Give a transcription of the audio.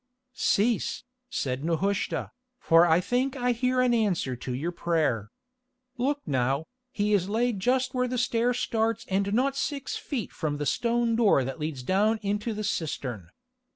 "Cease," said Nehushta, "for I think I hear an answer to your prayer. Look now, he is laid just where the stair starts and not six feet from the stone door that leads down into the cistern.